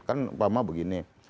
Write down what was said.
kan umpama begini